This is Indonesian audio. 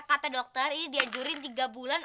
kata dokter ini diajurin tiga bulan